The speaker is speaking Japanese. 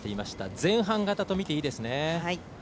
前半型とみていいですね。